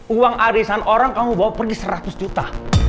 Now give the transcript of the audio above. uang arisan orang kamu bawa pergi seratus juta